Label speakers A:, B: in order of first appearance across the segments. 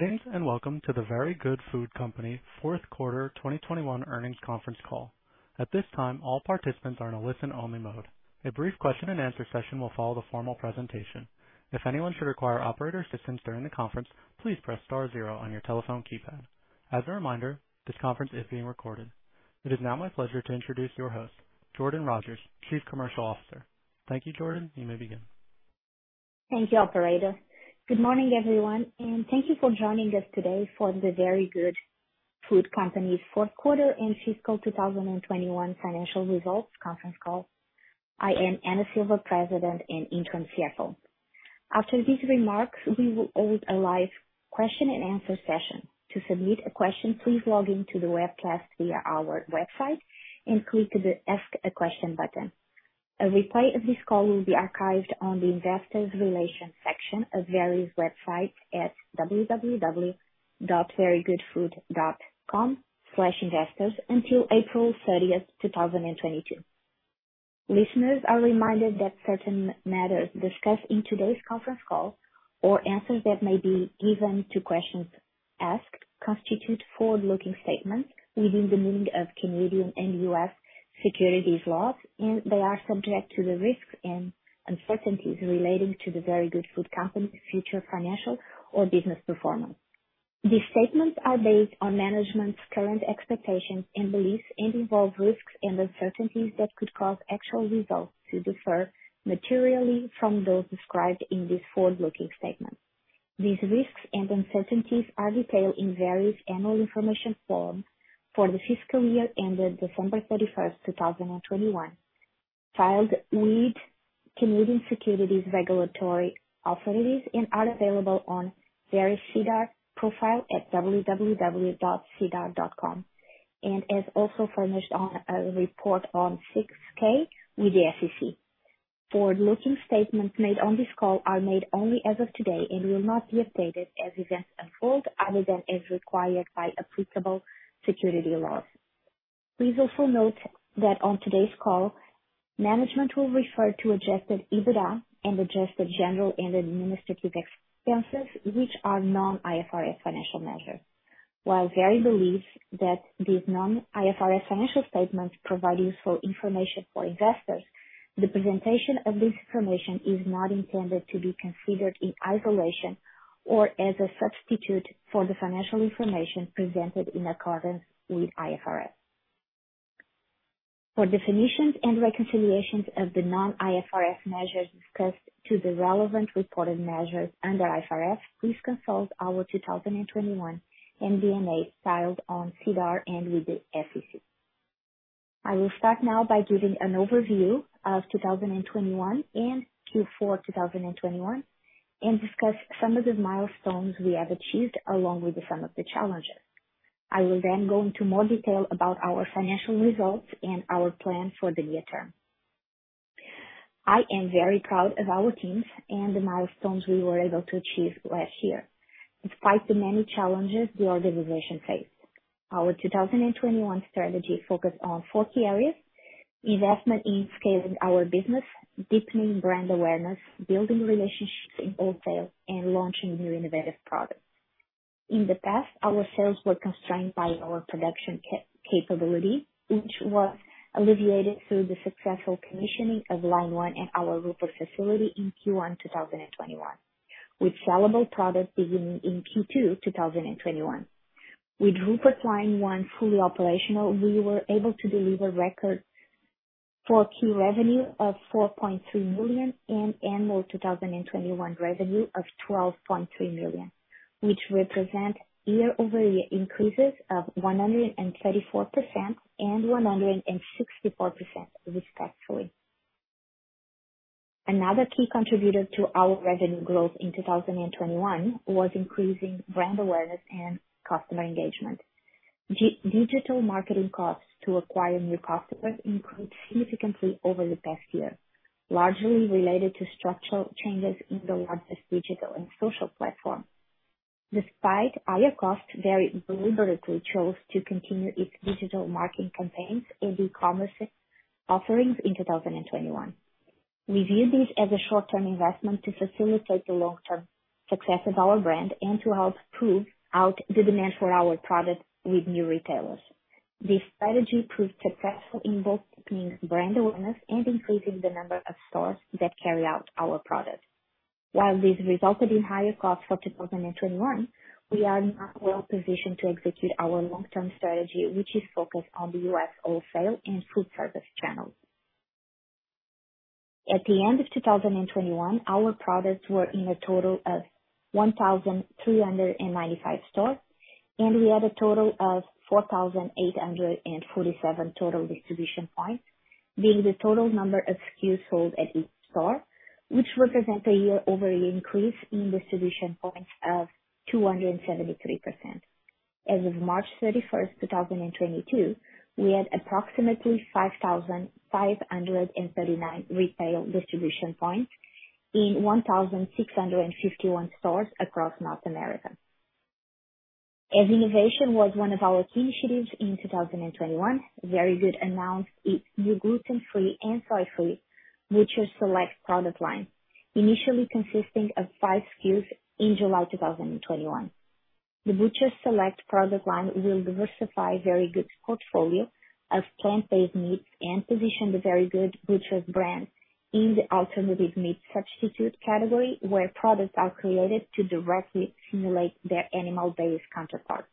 A: Thanks, and welcome to The Very Good Food Company Fourth Quarter 2021 Earnings Conference Call. At this time, all participants are in a listen-only mode. A brief question and answer session will follow the formal presentation. If anyone should require operator assistance during the conference, please press star zero on your telephone keypad. As a reminder, this conference is being recorded. It is now my pleasure to introduce your host, Jordan Rogers, Chief Commercial Officer. Thank you, Jordan. You may begin.
B: Thank you, operator. Good morning, everyone, and thank you for joining us today for The Very Good Food Company Fourth Quarter and Fiscal 2021 Financial Results Conference Call. I am Ana Silva, President and Interim CFO. After these remarks, we will hold a live question and answer session. To submit a question, please log in to the webcast via our website and click the Ask a Question button. A replay of this call will be archived on the investor relations section of Very's website at www.verygoodfood.com/investors until April 30, 2022. Listeners are reminded that certain matters discussed in today's conference call or answers that may be given to questions asked constitute forward-looking statements within the meaning of Canadian and U.S. securities laws, and they are subject to the risks and uncertainties relating to The Very Good Food Company's future financial or business performance. These statements are based on management's current expectations and beliefs and involve risks and uncertainties that could cause actual results to differ materially from those described in these forward-looking statements. These risks and uncertainties are detailed in Very's annual information form for the fiscal year ended December 31, 2021, filed with Canadian securities regulatory authorities, and are available on Very's SEDAR profile at www.sedar.com, and is also furnished on Form 6-K with the SEC. Forward-looking statements made on this call are made only as of today and will not be updated as events unfold other than as required by applicable securities laws. Please also note that on today's call, management will refer to Adjusted EBITDA and adjusted general and administrative expenses, which are non-IFRS financial measures. While Very believes that these non-IFRS financial statements provide useful information for investors, the presentation of this information is not intended to be considered in isolation or as a substitute for the financial information presented in accordance with IFRS. For definitions and reconciliations of the non-IFRS measures discussed to the relevant reported measures under IFRS, please consult our 2021 MD&A filed on SEDAR and with the SEC. I will start now by giving an overview of 2021 and Q4 2021 and discuss some of the milestones we have achieved along with some of the challenges. I will then go into more detail about our financial results and our plan for the near term. I am very proud of our teams and the milestones we were able to achieve last year despite the many challenges the organization faced. Our 2021 strategy focused on four key areas: investment in scaling our business, deepening brand awareness, building relationships in wholesale, and launching new innovative products. In the past, our sales were constrained by our production capability, which was alleviated through the successful commissioning of line one at our Rupert facility in Q1 2021, with sellable products beginning in Q2 2021. With Rupert line one fully operational, we were able to deliver record 4Q revenue of 4.3 million and annual 2021 revenue of 12.3 million, which represent year-over-year increases of 134% and 164%, respectively. Another key contributor to our revenue growth in 2021 was increasing brand awareness and customer engagement. Digital marketing costs to acquire new customers increased significantly over the past year, largely related to structural changes in the largest digital and social platform. Despite higher costs, Very deliberately chose to continue its digital marketing campaigns and e-commerce offerings in 2021. We view this as a short-term investment to facilitate the long-term success of our brand and to help prove out the demand for our products with new retailers. This strategy proved successful in both deepening brand awareness and increasing the number of stores that carry our products. While this resulted in higher costs for 2021, we are now well-positioned to execute our long-term strategy, which is focused on the U.S. wholesale and food service channels. At the end of 2021, our products were in a total of 1,395 stores, and we had a total of 4,847 total distribution points, being the total number of SKUs sold at each store, which represents a year-over-year increase in distribution points of 273%. As of March 31, 2022, we had approximately 5,539 retail distribution points in 1,651 stores across North America. As innovation was one of our key initiatives in 2021, Very Good announced its new gluten-free and soy-free Butcher's Select product line, initially consisting of five SKUs in July 2021. The Butcher's Select product line will diversify Very Good's portfolio of plant-based meats and position The Very Good Butchers brand in the alternative meat substitute category, where products are created to directly simulate their animal-based counterparts.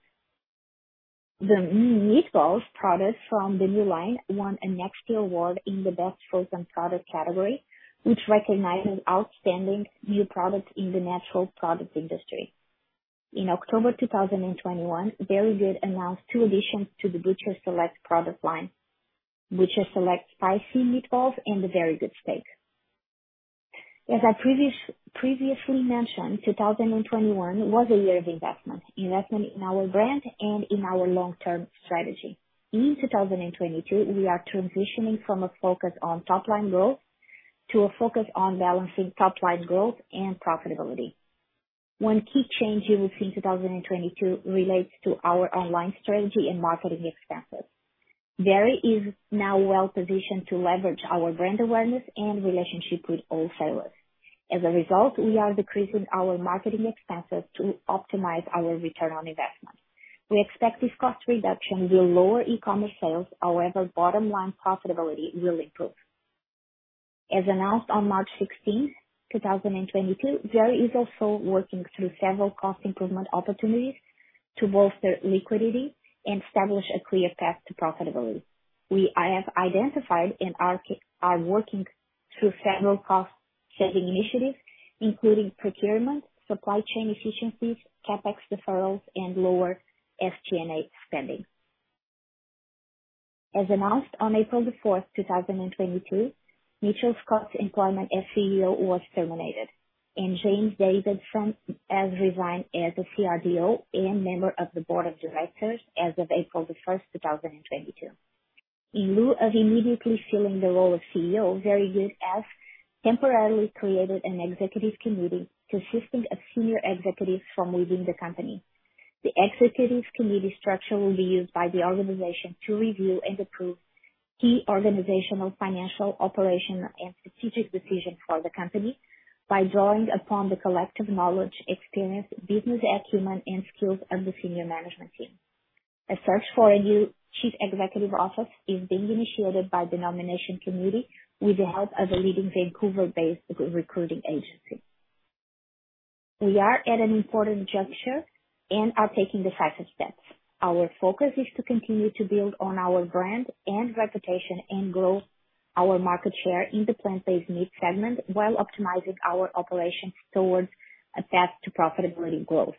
B: The meatballs products from the new line won a NEXTY award in the Best Frozen Product category, which recognizes outstanding new products in the natural product industry. In October 2021, Very Good announced two additions to the Butcher's Select product line: Butcher's Select Spicy Meatballs and the Very Good Steak. As I previously mentioned, 2021 was a year of investment in our brand and in our long-term strategy. In 2022, we are transitioning from a focus on top line growth to a focus on balancing top line growth and profitability. One key change you will see in 2022 relates to our online strategy and marketing expenses. Very is now well-positioned to leverage our brand awareness and relationship with all sellers. As a result, we are decreasing our marketing expenses to optimize our return on investment. We expect this cost reduction will lower e-commerce sales, however, bottom line profitability will improve. As announced on March 16, 2022, Very is also working through several cost improvement opportunities to bolster liquidity and establish a clear path to profitability. We have identified and are working through several cost-saving initiatives, including procurement, supply chain efficiencies, CapEx deferrals, and lower SG&A spending. As announced on April 4, 2022, Mitchell Scott's employment as CEO was terminated, and James Davison has resigned as the CRDO and member of the Board of Directors as of April 1, 2022. In lieu of immediately filling the role of CEO, Very Good has temporarily created an executive committee consisting of senior executives from within the company. The executive committee structure will be used by the organization to review and approve key organizational, financial, operational, and strategic decisions for the company by drawing upon the collective knowledge, experience, business acumen, and skills of the senior management team. A search for a new chief executive officer is being initiated by the nomination committee with the help of a leading Vancouver-based recruiting agency. We are at an important juncture and are taking decisive steps. Our focus is to continue to build on our brand and reputation and grow our market share in the plant-based meat segment while optimizing our operations towards a path to profitability growth.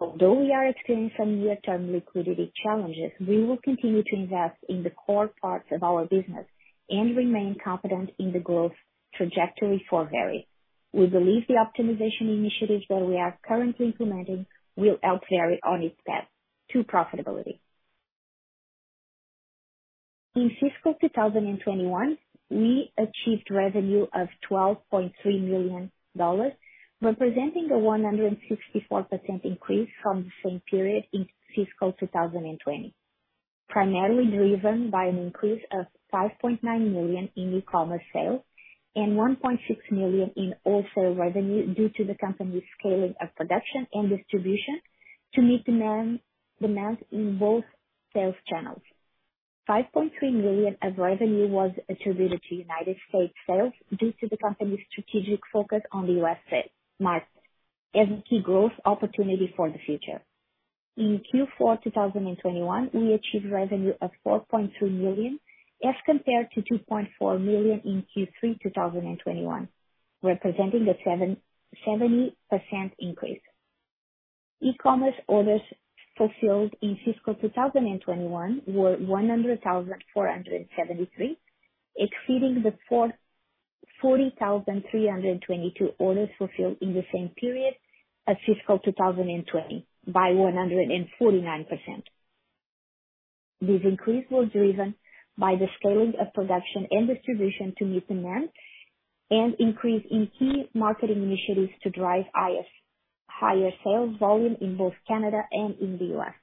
B: Although we are experiencing some near-term liquidity challenges, we will continue to invest in the core parts of our business and remain confident in the growth trajectory for Very. We believe the optimization initiatives that we are currently implementing will help Very on its path to profitability. In fiscal 2021, we achieved revenue of $12.3 million, representing a 164% increase from the same period in fiscal 2020. Primarily driven by an increase of 5.9 million in e-commerce sales and 1.6 million in foodservice revenue, due to the company's scaling of production and distribution to meet demand in both sales channels. 5.3 million of revenue was attributed to United States sales due to the company's strategic focus on the U.S. market as a key growth opportunity for the future. In Q4 2021, we achieved revenue of 4.2 million as compared to 2.4 million in Q3 2021, representing a 77% increase. E-commerce orders fulfilled in fiscal 2021 were 100,473, exceeding the 40,322 orders fulfilled in the same period as fiscal 2020 by 149%. This increase was driven by the scaling of production and distribution to meet demand and increase in key marketing initiatives to drive higher sales volume in both Canada and in the U.S.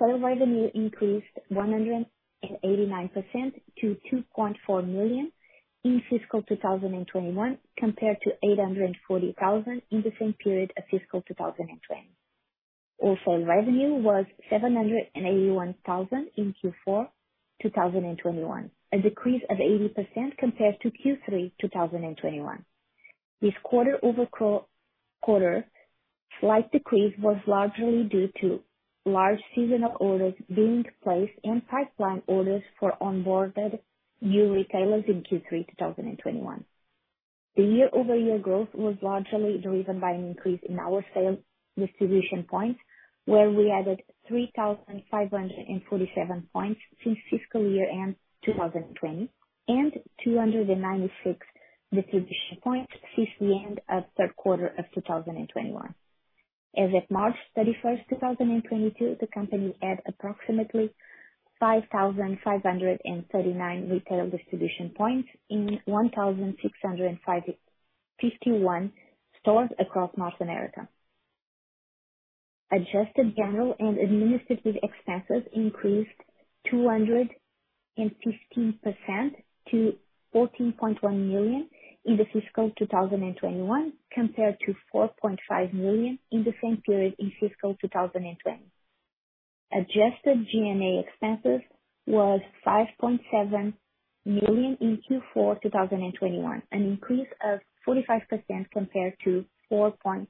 B: Revenue increased 189% to 2.4 million in fiscal 2021 compared to 840 thousand in the same period of fiscal 2020. Revenue was 781,000 in Q4 2021, a decrease of 80% compared to Q3 2021. This quarter-over-quarter, slight decrease was largely due to large seasonal orders being placed and pipeline orders for onboarded new retailers in Q3 2021. Year-over-year growth was largely driven by an increase in our sales distribution points, where we added 3,547 points since fiscal year-end 2020 and 296 distribution points since the end of third quarter of 2021. As of March 31, 2022, the company had approximately 5,539 retail distribution points in 1,651 stores across North America. Adjusted G&A expenses increased 215% to 14.1 million in fiscal 2021 compared to 4.5 million in the same period in fiscal 2020. Adjusted G&A expenses was 5.7 million in Q4 2021, an increase of 45% compared to 4.0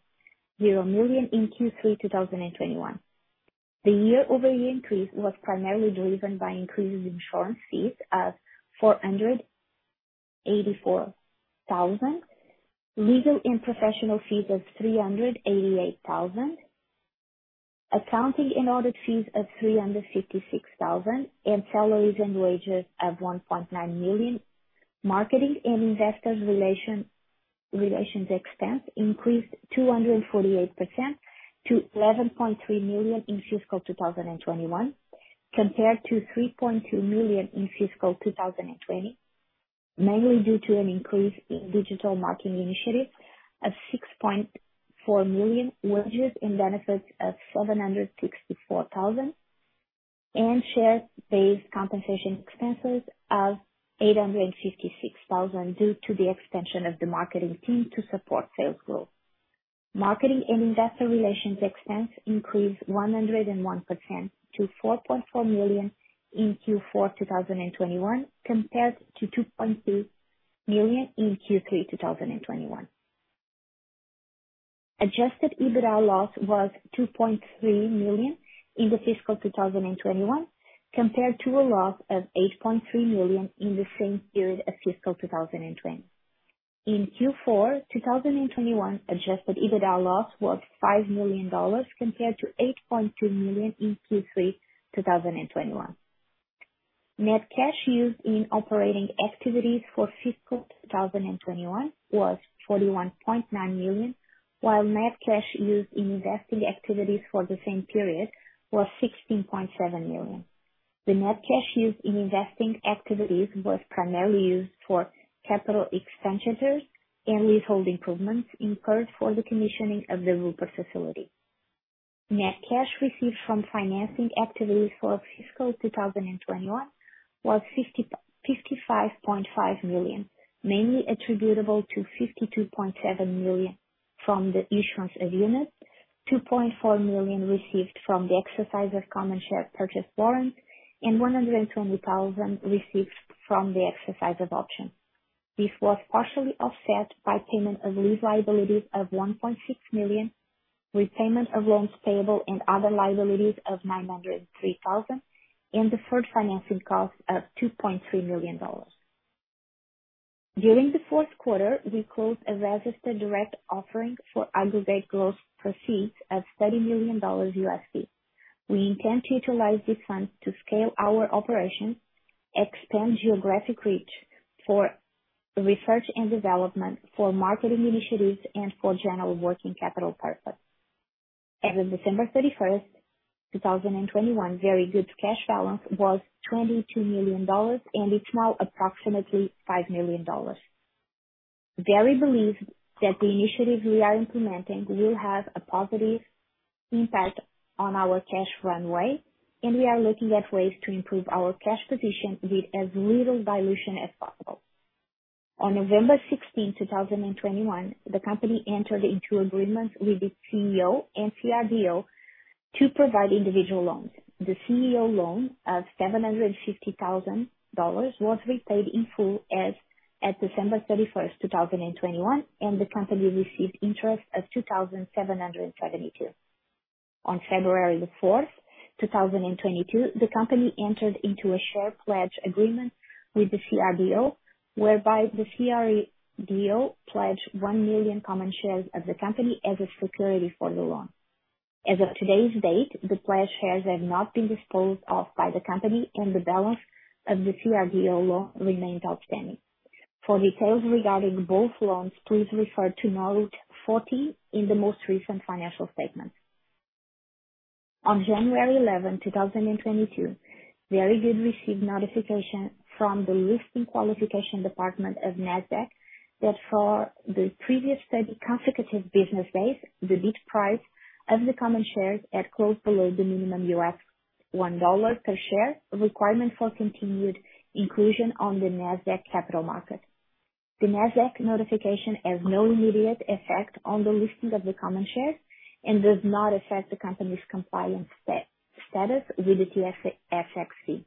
B: million in Q3 2021. The year-over-year increase was primarily driven by increased insurance fees of 484,000, legal and professional fees of 388,000, accounting and audit fees of 356,000, and salaries and wages of 1.9 million. Marketing and investor relations expense increased 248% to 11.3 million in fiscal 2021 compared to 3.2 million in fiscal 2020, mainly due to an increase in digital marketing initiatives of 6.4 million, wages and benefits of 764,000, and share-based compensation expenses of 856,000, due to the expansion of the marketing team to support sales growth. Marketing and investor relations expense increased 101% to 4.4 million in Q4 2021 compared to 2.8 million in Q3 2021. Adjusted EBITDA loss was 2.3 million in fiscal 2021 compared to a loss of 8.3 million in the same period of fiscal 2020. In Q4 2021, Adjusted EBITDA loss was 5 million dollars compared to 8.2 million in Q3 2021. Net cash used in operating activities for fiscal 2021 was 41.9 million, while net cash used in investing activities for the same period was 16.7 million. The net cash used in investing activities was primarily used for capital expenditures and leasehold improvements incurred for the commissioning of the Rupert facility. Net cash received from financing activities for fiscal 2021 was 55.5 million, mainly attributable to 52.7 million from the issuance of units, 2.4 million received from the exercise of common share purchase warrants, and 120,000, received from the exercise of options. This was partially offset by payment of lease liabilities of 1.6 million, repayment of loans payable and other liabilities of 903,000, and deferred financing costs of 2.3 million dollars. During the fourth quarter, we closed a registered direct offering for aggregate gross proceeds of $30 million. We intend to utilize these funds to scale our operations, expand geographic reach for research and development, for marketing initiatives, and for general working capital purpose. As of December 31, 2021, Very Good's cash balance was 22 million dollars and it's now approximately 5 million dollars. Very Good believes that the initiatives we are implementing will have a positive impact on our cash runway, and we are looking at ways to improve our cash position with as little dilution as possible. On November 16, 2021, the company entered into agreements with the CEO and CRDO to provide individual loans. The CEO loan of $750,000 was repaid in full at December 31, 2021, and the company received interest of 2,772. On February 4, 2022, the company entered into a share pledge agreement with the CRDO, whereby the CRDO pledged 1 million common shares of the company as a security for the loan. As of today's date, the pledged shares have not been disposed of by the company and the balance of the CRDO loan remains outstanding. For details regarding both loans, please refer to Note 14 in the most recent financial statement. On January 11, 2022, Very Good received notification from the Listing Qualification Department of Nasdaq that for the previous 30 consecutive business days, the bid price of the common shares had closed below the minimum $1 per share requirement for continued inclusion on the Nasdaq Capital Market. The Nasdaq notification has no immediate effect on the listing of the common shares and does not affect the company's compliance status with the TSX-V.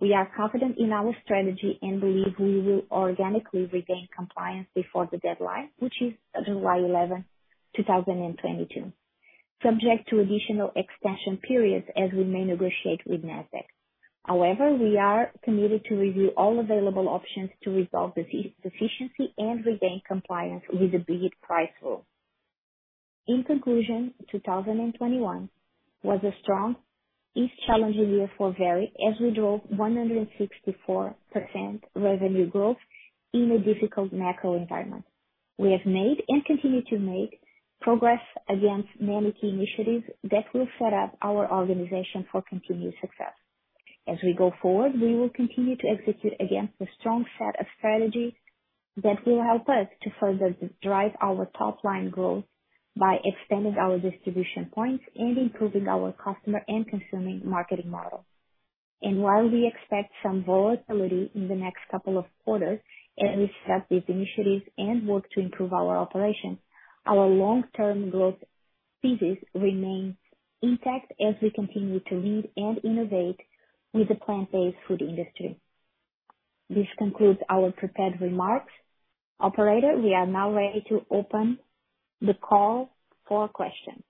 B: We are confident in our strategy and believe we will organically regain compliance before the deadline, which is July 11, 2022, subject to additional extension periods as we may negotiate with Nasdaq. However, we are committed to review all available options to resolve the sufficiency and regain compliance with the bid price rule. In conclusion, 2021 was a strong if challenging year for Very as we drove 164% revenue growth in a difficult macro environment. We have made and continue to make progress against many key initiatives that will set up our organization for continued success. As we go forward, we will continue to execute against a strong set of strategies that will help us to further drive our top line growth by expanding our distribution points and improving our customer and consuming marketing model. While we expect some volatility in the next couple of quarters as we start these initiatives and work to improve our operations, our long-term growth thesis remains intact as we continue to lead and innovate with the plant-based food industry. This concludes our prepared remarks. Operator, we are now ready to open the call for questions.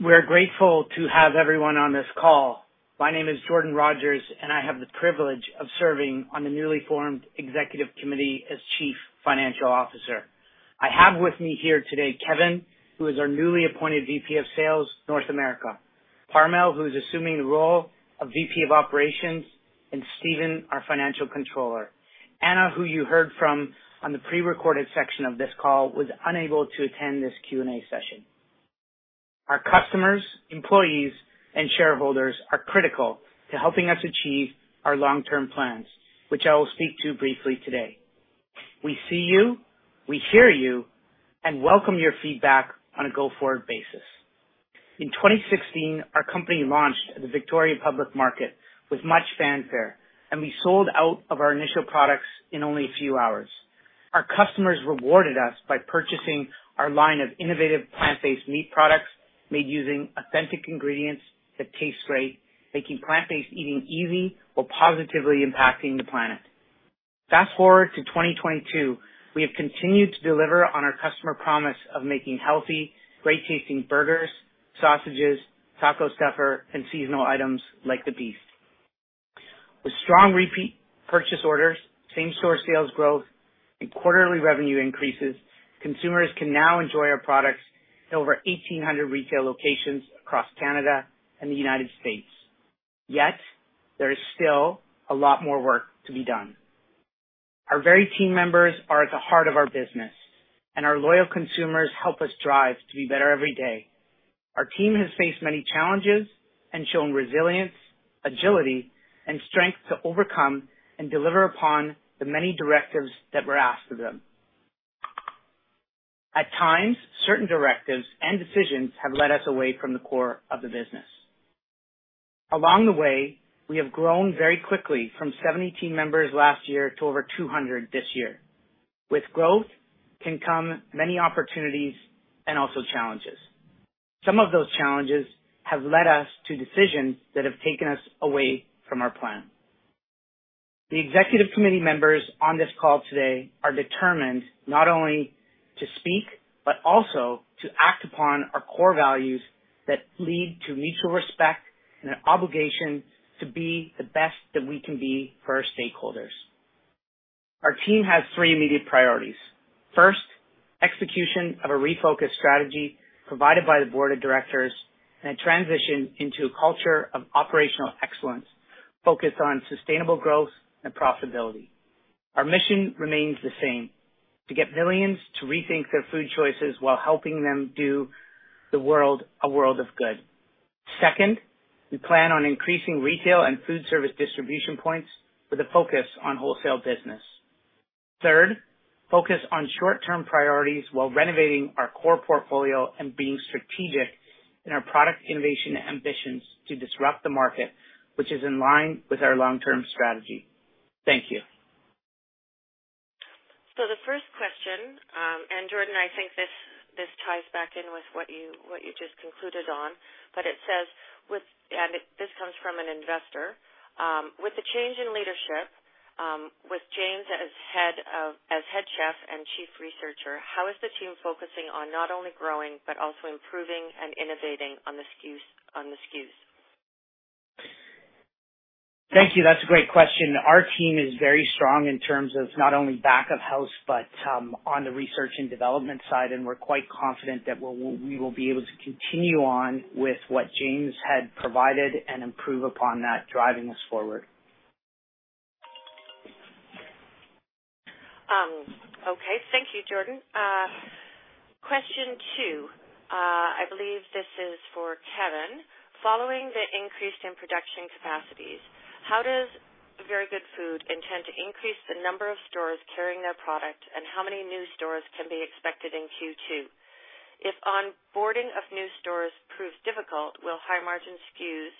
C: We're grateful to have everyone on this call. My name is Jordan Rogers, and I have the privilege of serving on the newly formed executive committee as Chief Financial Officer. I have with me here today, Kevin, who is our newly appointed VP of Sales, North America, Parimal, who is assuming the role of VP of Operations, and Steven, our Financial Controller. Ana, who you heard from on the prerecorded section of this call, was unable to attend this Q&A session. Our customers, employees, and shareholders are critical to helping us achieve our long-term plans, which I will speak to briefly today. We see you, we hear you, and welcome your feedback on a go-forward basis. In 2016, our company launched at the Victoria Public Market with much fanfare, and we sold out of our initial products in only a few hours. Our customers rewarded us by purchasing our line of innovative plant-based meat products made using authentic ingredients that taste great, making plant-based eating easy while positively impacting the planet. Fast-forward to 2022, we have continued to deliver on our customer promise of making healthy, great-tasting burgers, sausages, taco stuffer, and seasonal items like the beef. With strong repeat purchase orders, same-store sales growth, and quarterly revenue increases, consumers can now enjoy our products in over 1,800 retail locations across Canada and the United States. Yet, there is still a lot more work to be done. Our Very team members are at the heart of our business, and our loyal consumers help us strive to be better every day. Our team has faced many challenges and shown resilience, agility, and strength to overcome and deliver upon the many directives that were asked of them. At times, certain directives and decisions have led us away from the core of the business. Along the way, we have grown very quickly from 70 team members last year to over 200 this year. With growth can come many opportunities and also challenges. Some of those challenges have led us to decisions that have taken us away from our plan. The Executive Committee Members on this call today are determined not only to speak, but also to act upon our core values that lead to mutual respect and an obligation to be the best that we can be for our stakeholders. Our team has three immediate priorities. First, execution of a refocused strategy provided by the Board of Directors and a transition into a culture of operational excellence focused on sustainable growth and profitability. Our mission remains the same, to get billions to rethink their food choices while helping them do the world a world of good. Second, we plan on increasing retail and food service distribution points with a focus on wholesale business. Third, focus on short-term priorities while renovating our core portfolio and being strategic in our product innovation ambitions to disrupt the market, which is in line with our long-term strategy. Thank you.
D: The first question, and Jordan, I think this ties back in with what you just concluded on. It says this comes from an investor. With the change in leadership, with James as Chief Research and Development Officer, how is the team focusing on not only growing but also improving and innovating on the SKUs?
C: Thank you. That's a great question. Our team is very strong in terms of not only back of house, but on the research and development side, and we're quite confident that we will be able to continue on with what James had provided and improve upon that driving us forward.
D: Okay. Thank you, Jordan. Question two, I believe this is for Kevin. Following the increase in production capacities, how does Very Good Food intend to increase the number of stores carrying their product, and how many new stores can be expected in Q2? If onboarding of new stores proves difficult, will high-margin SKUs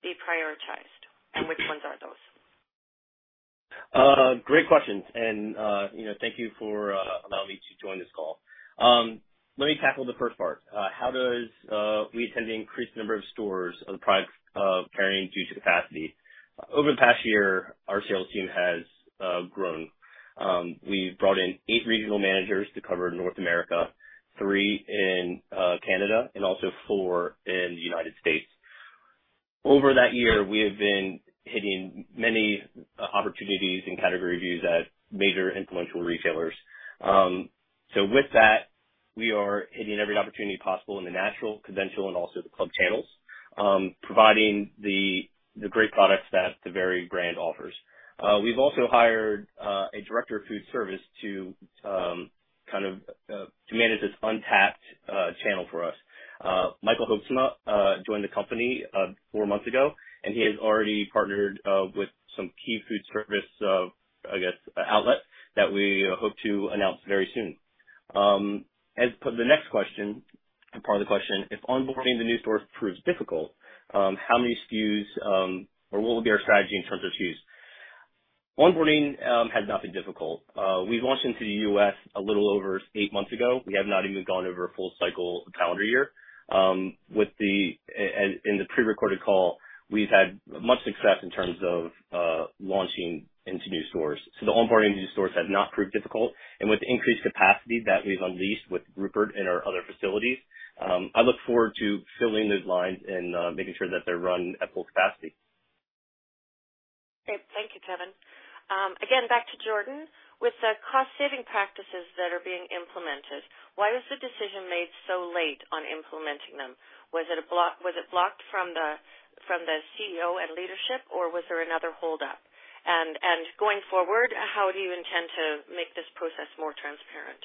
D: be prioritized? Which ones are those?
E: Great questions and, you know, thank you for allowing me to join this call. Let me tackle the first part. How do we intend to increase the number of stores carrying the products due to capacity? Over the past year, our sales team has grown. We brought in eight regional managers to cover North America, three in Canada, and also four in the United States. Over that year, we have been hitting many opportunities and category reviews at major influential retailers. With that we are hitting every opportunity possible in the natural, conventional, and also the club channels, providing the great products that the very brand offers. We've also hired a director of food service to kind of manage this untapped channel for us. Michael Hoeksema joined the company four months ago, and he has already partnered with some key food service I guess outlets that we hope to announce very soon. As for the next question, part of the question, if onboarding the new store proves difficult, how many SKUs or what will be our strategy in terms of SKUs? Onboarding has not been difficult. We launched into the U.S. a little over eight months ago. We have not even gone over a full cycle calendar year. In the pre-recorded call, we've had much success in terms of launching into new stores. The onboarding of new stores has not proved difficult. With the increased capacity that we've unleashed with Rupert and our other facilities, I look forward to filling those lines and making sure that they're run at full capacity.
D: Great. Thank you, Kevin. Again, back to Jordan. With the cost-saving practices that are being implemented, why was the decision made so late on implementing them? Was it blocked from the CEO and leadership, or was there another hold up? And going forward, how do you intend to make this process more transparent?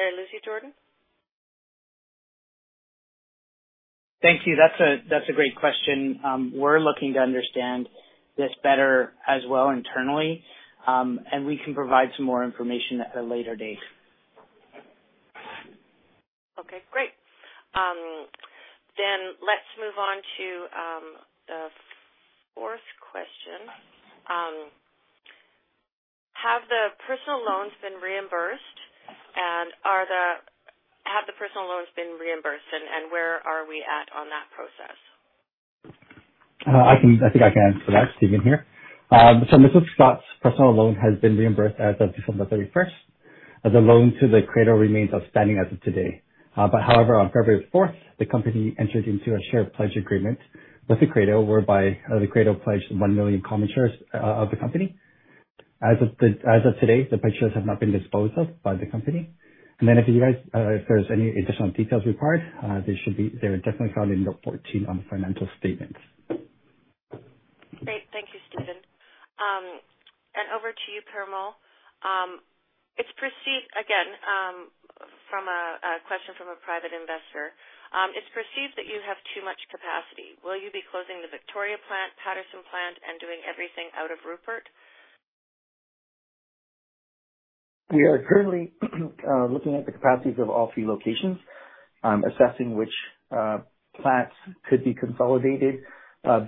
D: Did I lose you, Jordan?
C: Thank you. That's a great question. We're looking to understand this better as well internally, and we can provide some more information at a later date.
D: Okay, great. Let's move on to the fourth question. Have the personal loans been reimbursed, and where are we at on that process?
F: I think I can answer that. Steven here. Mr. Scott's personal loan has been reimbursed as of December 31st. The loan to the CRDO remains outstanding as of today. However, on February 4th, the company entered into a share pledge agreement with the CRDO whereby the CRDO pledged 1 million common shares of the company. As of today, the pledge shares have not been disposed of by the company. If you guys, if there's any additional details required, they should be. They're definitely found in note 14 on the financial statements.
D: Great. Thank you, Steven. Over to you, Parimal. It's perceived again from a question from a private investor. It's perceived that you have too much capacity. Will you be closing the Victoria plant, Patterson plant, and doing everything out of Rupert?
G: We are currently looking at the capacities of all three locations, assessing which plants could be consolidated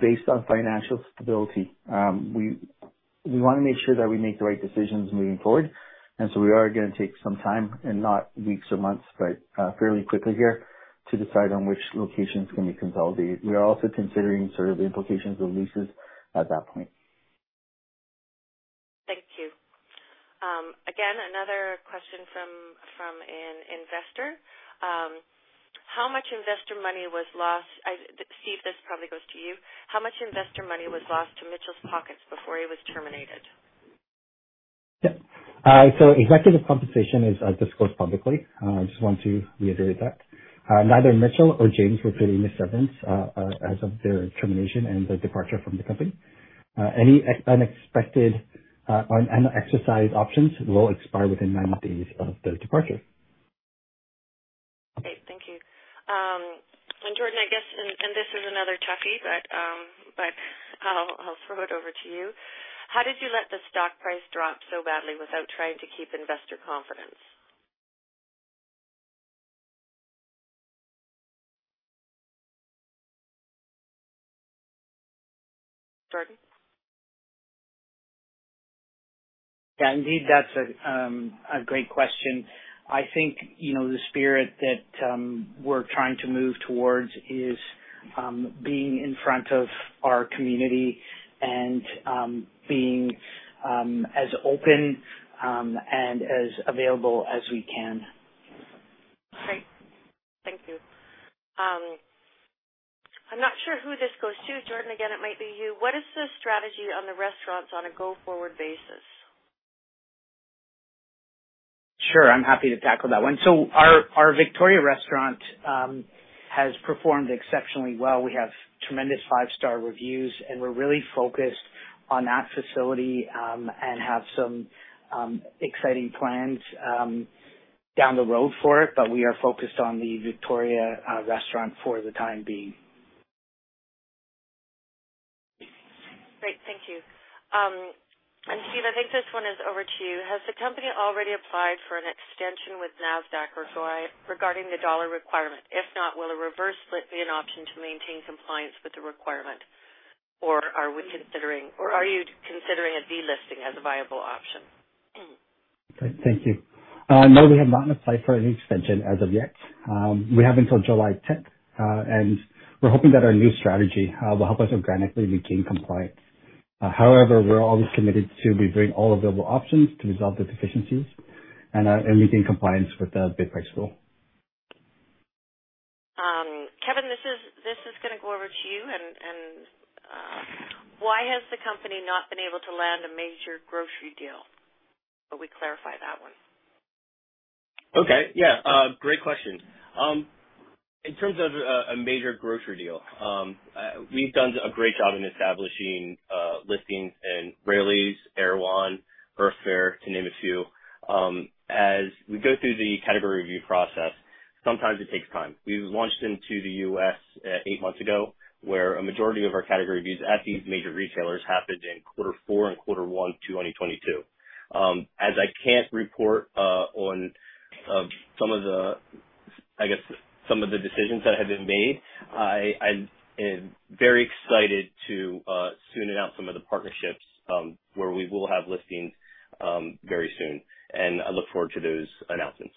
G: based on financial stability. We wanna make sure that we make the right decisions moving forward. We are gonna take some time and not weeks or months, but fairly quickly here to decide on which locations can be consolidated. We are also considering sort of the implications of leases at that point.
D: Thank you. Again, another question from an investor. How much investor money was lost? Steven, this probably goes to you. How much investor money was lost to Mitchell's pockets before he was terminated?
F: Yeah. Executive compensation is disclosed publicly. I just want to reiterate that neither Mitchell or James received any severance as of their termination and their departure from the company. Any unexercised options will expire within 90 days of their departure.
D: Great. Thank you. Jordan, I guess, and this is another toughie, but I'll throw it over to you. How did you let the stock price drop so badly without trying to keep investor confidence? Jordan?
C: Yeah, indeed, that's a great question. I think, you know, the spirit that we're trying to move towards is being in front of our community and being as open and as available as we can.
D: Great. Thank you. I'm not sure who this goes to. Jordan, again, it might be you. What is the strategy on the restaurants on a go-forward basis?
C: Sure. I'm happy to tackle that one. Our Victoria restaurant has performed exceptionally well. We have tremendous five-star reviews, and we're really focused on that facility, and have some exciting plans down the road for it. We are focused on the Victoria restaurant for the time being.
D: Great. Thank you. Steve, I think this one is over to you. Has the company already applied for an extension with Nasdaq or TSXV regarding the dollar requirement? If not, will a reverse split be an option to maintain compliance with the requirement, or are you considering a delisting as a viable option?
F: Great. Thank you. No, we have not applied for any extension as of yet. We have until July 10th, and we're hoping that our new strategy will help us organically regain compliance. However, we're always committed to reviewing all available options to resolve the deficiencies and regain compliance with the bid price rule.
D: Kevin, this is gonna go over to you and why has the company not been able to land a major grocery deal? Will we clarify that one?
E: Okay. Yeah. Great question. In terms of a major grocery deal, we've done a great job in establishing listings in Raley's, Erewhon, Earth Fare, to name a few. As we go through the category review process, sometimes it takes time. We launched into the U.S. eight months ago, where a majority of our category reviews at these major retailers happened in quarter four and quarter one, 2022. As I can't report on some of the decisions that have been made, I am very excited to soon announce some of the partnerships where we will have listings very soon, and I look forward to those announcements.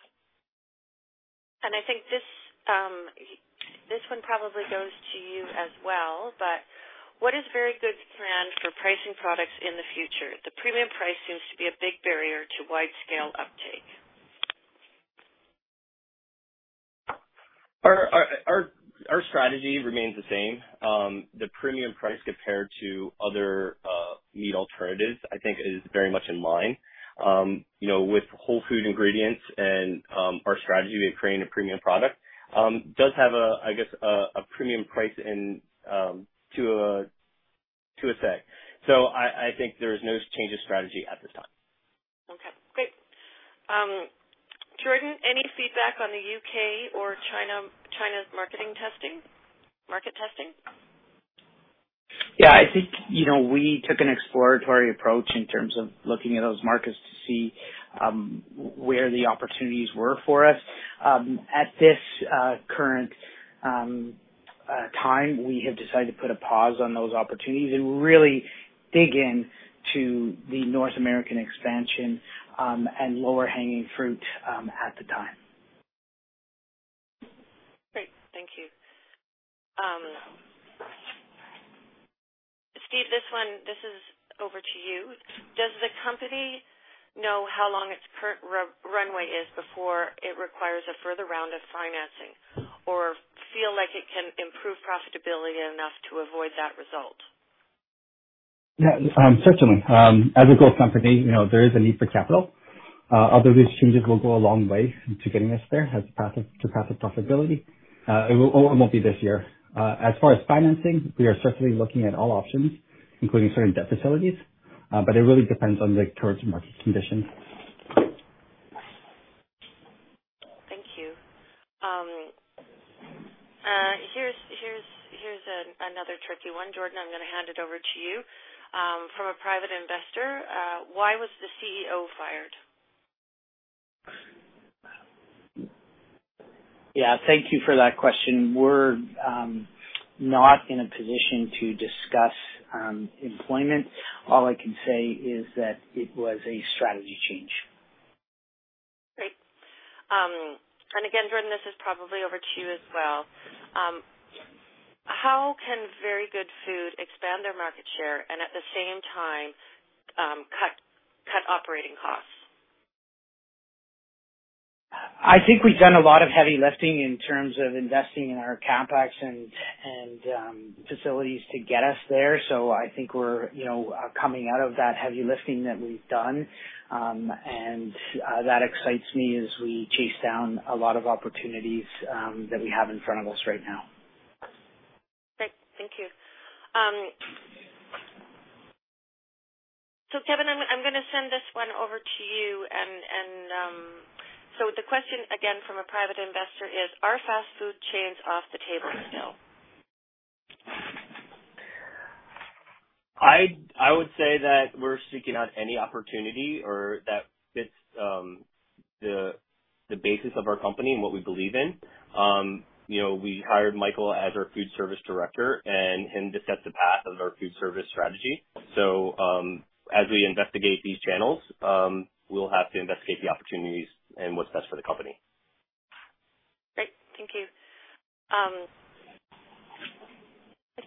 D: I think this one probably goes to you as well, but what is Very Good's plan for pricing products in the future? The premium price seems to be a big barrier to wide scale uptake.
E: Our strategy remains the same. The premium price compared to other meat alternatives, I think, is very much in line, you know, with whole food ingredients and our strategy to create a premium product does have, I guess, a premium price. I think there is no change of strategy at this time.
D: Okay, great. Jordan, any feedback on the U.K. or China's market testing?
C: Yeah. I think, you know, we took an exploratory approach in terms of looking at those markets to see where the opportunities were for us. At this current time, we have decided to put a pause on those opportunities and really dig in to the North American expansion and lower hanging fruit at the time.
D: Great. Thank you. Steven, this one, this is over to you. Does the company know how long its current runway is before it requires a further round of financing or feel like it can improve profitability enough to avoid that result?
F: Certainly. As a growth company, you know, there is a need for capital. Although these changes will go a long way to getting us there to path of profitability. It won't be this year. As far as financing, we are certainly looking at all options, including certain debt facilities, but it really depends on the current market conditions.
D: Thank you. Here's another tricky one. Jordan, I'm gonna hand it over to you. From a private investor, why was the CEO fired?
C: Yeah, thank you for that question. We're not in a position to discuss employment. All I can say is that it was a strategy change.
D: Great. Again, Jordan, this is probably over to you as well. How can Very Good Food expand their market share and at the same time, cut operating costs?
C: I think we've done a lot of heavy lifting in terms of investing in our CapEx and facilities to get us there. I think we're, you know, coming out of that heavy lifting that we've done, and that excites me as we chase down a lot of opportunities that we have in front of us right now.
D: Great. Thank you. Kevin, I'm gonna send this one over to you. The question again from a private investor is, are fast food chains off the table still?
E: I would say that we're seeking out any opportunity or that fits the basis of our company and what we believe in. You know, we hired Michael as our food service director and him to set the path of our food service strategy. As we investigate these channels, we'll have to investigate the opportunities and what's best for the company.
D: Great. Thank you. I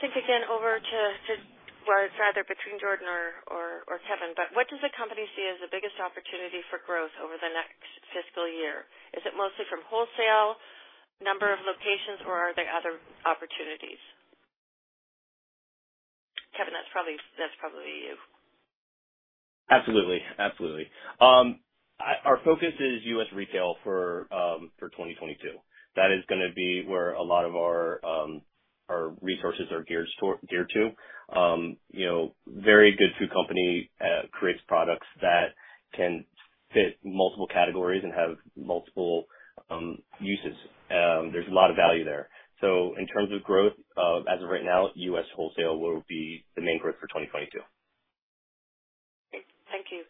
D: think again, over to. Well, it's either between Jordan or Kevin, but what does the company see as the biggest opportunity for growth over the next fiscal year? Is it mostly from wholesale, number of locations, or are there other opportunities? Kevin, that's probably you.
E: Absolutely. Our focus is U.S. retail for 2022. That is gonna be where a lot of our resources are geared to. You know, Very Good Food Company creates products that can fit multiple categories and have multiple uses. There's a lot of value there. In terms of growth, as of right now, U.S. wholesale will be the main growth for 2022.
D: Thank you.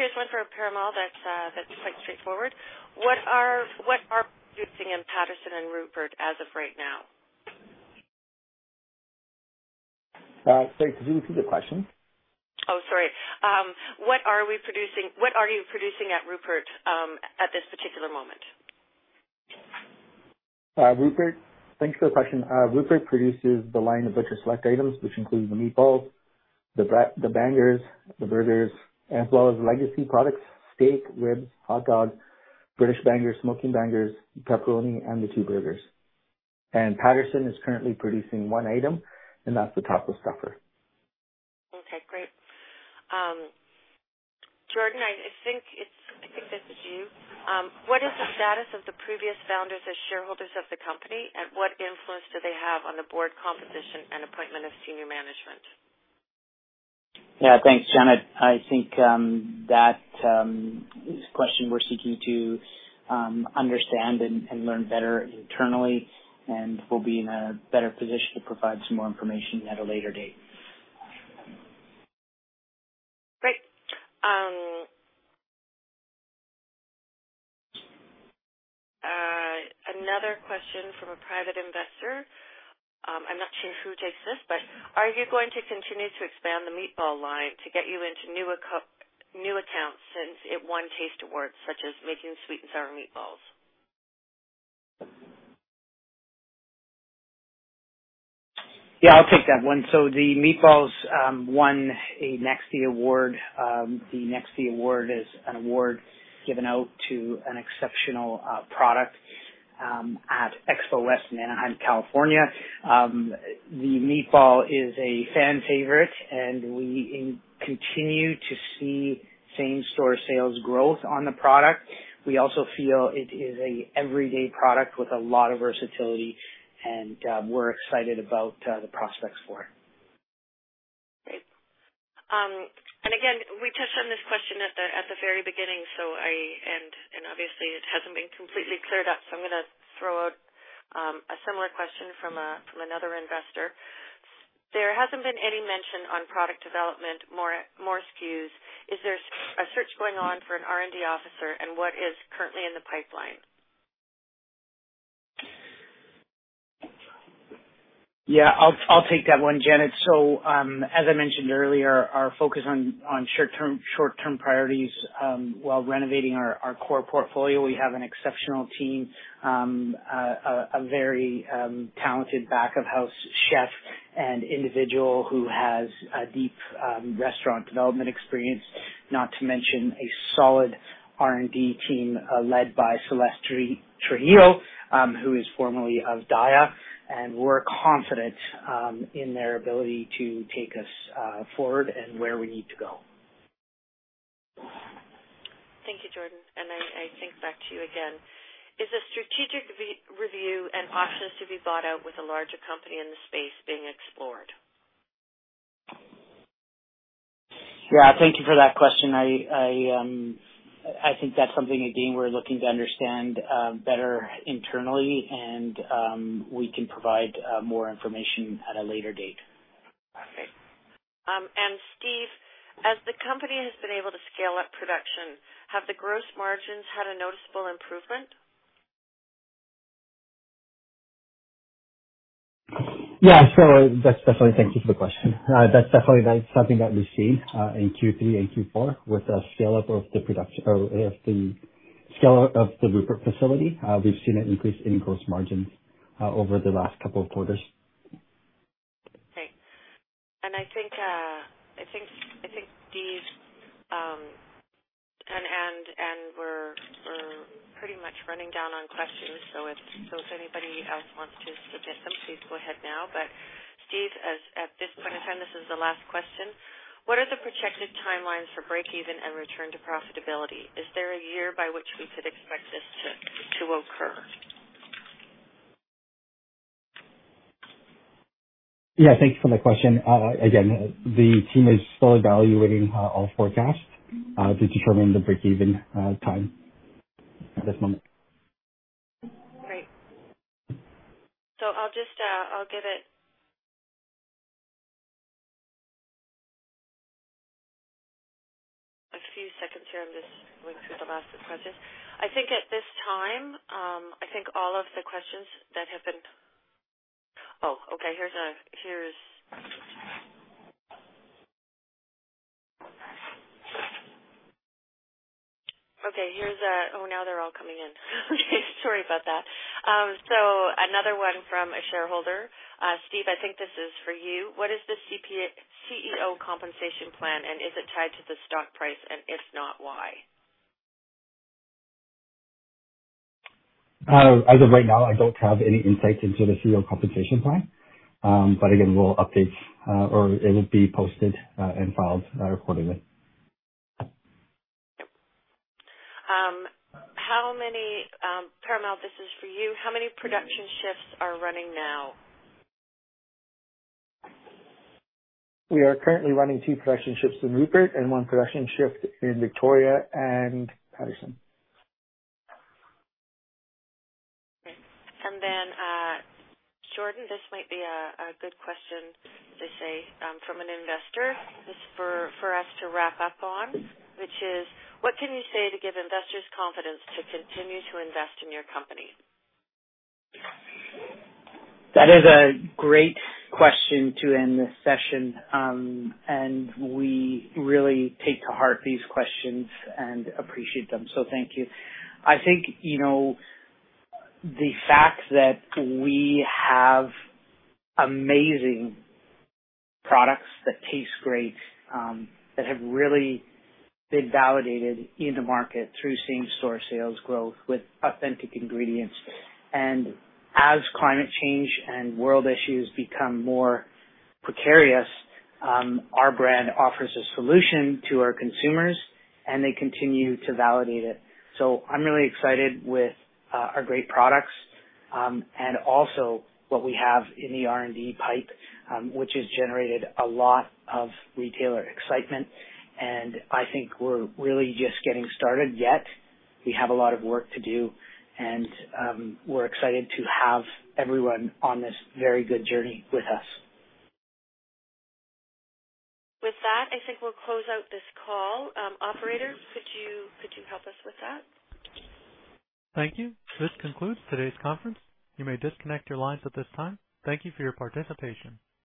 D: Here's one for Parimal that's quite straightforward. What are we producing in Patterson and Rupert as of right now?
G: Sorry. Could you repeat the question?
D: Oh, sorry. What are you producing at Rupert at this particular moment?
G: Rupert, thanks for the question. Rupert produces the line of Butcher's Select items, which includes the meatballs, the bangers, the burgers, as well as legacy products, steak, ribs, hot dogs, British bangers, Smokin' Bangers, Pepperoni, and the two burgers. Patterson is currently producing one item, and that's the taco stuffer.
D: Okay, great. Jordan, I think this is you. What is the status of the previous founders as shareholders of the company, and what influence do they have on the board composition and appointment of senior management?
C: Yeah. Thanks, Janet. I think that question we're seeking to understand and learn better internally, and we'll be in a better position to provide some more information at a later date.
D: Great. Another question from a private investor. I'm not sure who takes this, but are you going to continue to expand the meatball line to get you into new accounts since it won Taste Awards, such as making sweet and sour meatballs?
C: Yeah, I'll take that one. The meatballs won a NEXTY award. The NEXTY award is an award given out to an exceptional product at Expo West in Anaheim, California. The meatball is a fan favorite, and we continue to see same store sales growth on the product. We also feel it is an everyday product with a lot of versatility, and we're excited about the prospects for it.
D: Great. Again, we touched on this question at the very beginning, so obviously it hasn't been completely cleared up, so I'm gonna throw out a similar question from another investor. There hasn't been any mention of product development, more SKUs. Is there a search going on for an R&D officer, and what is currently in the pipeline?
C: Yeah, I'll take that one, Janet. As I mentioned earlier, our focus on short term priorities while renovating our core portfolio. We have an exceptional team, a very talented back of house chef and individual who has a deep restaurant development experience, not to mention a solid R&D team led by Celeste Trujillo who is formerly of Daiya. We're confident in their ability to take us forward and where we need to go.
D: Thank you, Jordan. I think back to you again. Is a strategic re-review an option to be bought out with a larger company in the space being explored?
C: Yeah. Thank you for that question. I think that's something again, we're looking to understand better internally and we can provide more information at a later date.
D: Okay. Steven, as the company has been able to scale up production, have the gross margins had a noticeable improvement?
F: Thank you for the question. That's definitely something that we see in Q3 and Q4 with a scale up of the Rupert facility. We've seen an increase in gross margins over the last couple of quarters.
D: Okay. I think Steven and we're pretty much running down on questions, so if anybody else wants to submit them, please go ahead now. Steven, as at this point in time, this is the last question: What are the projected timelines for break even and return to profitability? Is there a year by which we could expect this to occur?
F: Yeah. Thank you for the question. Again, the team is still evaluating all forecasts to determine the break even time at this moment.
D: Great. I'll just give it a few seconds here. I'm just going through the last questions. I think at this time all of the questions that have been. Now they're all coming in. Okay. Sorry about that. Another one from a shareholder. Steven, I think this is for you. What is the CEO compensation plan, and is it tied to the stock price, and if not, why?
F: As of right now, I don't have any insight into the CEO compensation plan. Again, we'll update, or it will be posted, and filed, accordingly.
D: Yep. Parimal, this is for you. How many production shifts are running now?
G: We are currently running two production shifts in Rupert and one production shift in Victoria and Patterson.
D: Great. Jordan, this might be a good question to say from an investor just for us to wrap up on, which is: What can you say to give investors confidence to continue to invest in your company?
C: That is a great question to end this session, and we really take to heart these questions and appreciate them, so thank you. I think, you know, the fact that we have amazing products that taste great, that have really been validated in the market through same store sales growth with authentic ingredients. As climate change and world issues become more precarious, our brand offers a solution to our consumers, and they continue to validate it. I'm really excited with our great products, and also what we have in the R&D pipe, which has generated a lot of retailer excitement, and I think we're really just getting started yet. We have a lot of work to do, and we're excited to have everyone on this very good journey with us.
D: With that, I think we'll close out this call. Operator, could you help us with that?
A: Thank you. This concludes today's conference. You may disconnect your lines at this time. Thank you for your participation.